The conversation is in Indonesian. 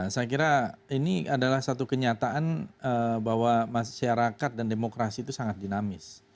saya kira ini adalah satu kenyataan bahwa masyarakat dan demokrasi itu sangat dinamis